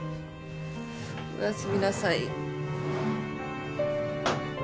おやすみなさい。